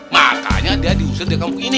makanya dia diusir di kampung ini